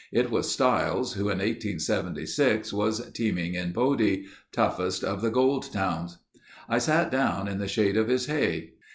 It was Stiles who in 1876 was teaming in Bodie—toughest of the gold towns. I sat down in the shade of his hay.